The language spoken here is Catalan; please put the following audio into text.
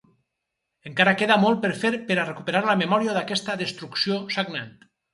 Encara queda molt per fer per a recuperar la memòria d’aquesta destrucció sagnant.